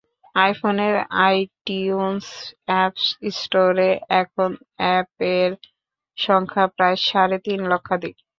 আইফোনের iTunes apps স্টোরে এখন অ্যাপের সংখ্যা প্রায় সাড়ে তিন লক্ষাধিক।